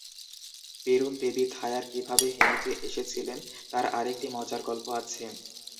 পেরুন দেবী থায়ার কিভাবে হেমিজে এসেছিলেন তার আরেকটি মজার গল্প আছে।